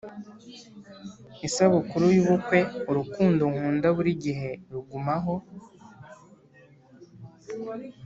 isabukuru yubukwe: urukundo nkunda burigihe rugumaho